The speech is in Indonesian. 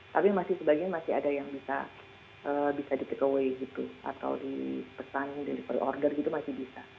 tapi sebagian masih ada yang bisa di take away gitu atau di pesan deliver order gitu masih bisa